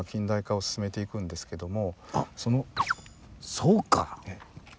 そうか！